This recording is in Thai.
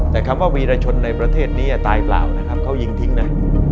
แต่คำว่าวีรชนในประเทศนี้ตายเปล่านะครับเขายิงทิ้งนะ